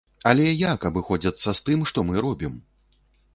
Але як абыходзяцца з тым, што мы робім?